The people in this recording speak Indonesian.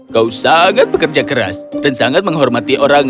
kau sangat bekerja keras dan sangat menghormati orang